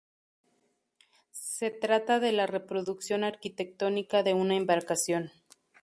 Se trata de la reproducción arquitectónica de una embarcación.